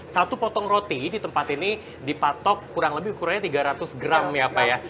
satu potong roti di tempat ini dipatok kurang lebih ukurannya tiga ratus gram ya pak ya